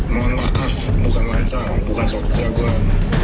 mohon maaf bukan lancar bukan suatu keraguan